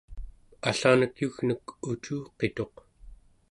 allanek yugnek ucuqituq